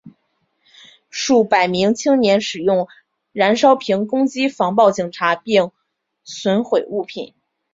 数百名青年使用燃烧瓶攻击防暴警察并损毁物品。